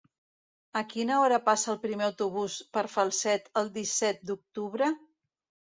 A quina hora passa el primer autobús per Falset el disset d'octubre?